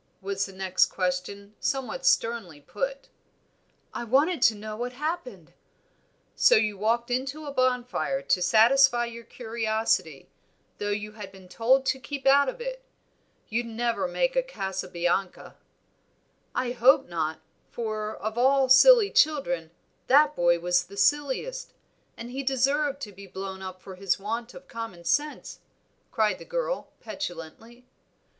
was the next question, somewhat sternly put. "I wanted to know what had happened." "So you walked into a bonfire to satisfy your curiosity, though you had been told to keep out of it? You'd never make a Casabianca." "I hope not, for of all silly children, that boy was the silliest, and he deserved to be blown up for his want of common sense," cried the girl, petulantly.